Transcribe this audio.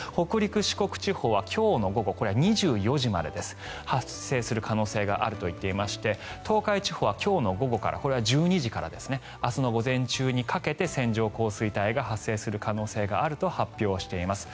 北陸、四国地方は今日の午後２４時までです発生する可能性があると言っていまして東海地方はきょうの午後からこれは１２時から明日の午前中にかけて線状降水帯が発生する可能性があると発表しています。